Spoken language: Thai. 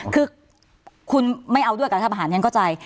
คือคุณไม่เอาด้วยกับรัฐประหารฉันเข้าใจ